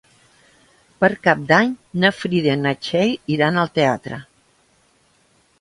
Per Cap d'Any na Frida i na Txell iran al teatre.